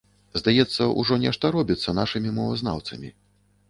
Здаецца, ужо нешта робіцца нашымі мовазнаўцамі.